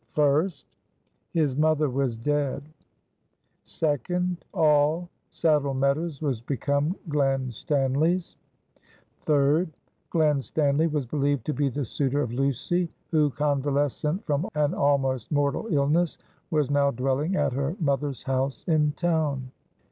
First: his mother was dead. Second: all Saddle Meadows was become Glen Stanly's. Third: Glen Stanly was believed to be the suitor of Lucy; who, convalescent from an almost mortal illness, was now dwelling at her mother's house in town.